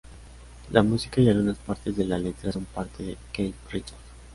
La música y algunas partes de la letra son por parte de Keith Richards.